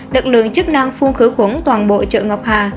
lực lượng chức năng phun khử khuẩn toàn bộ chợ ngọc hà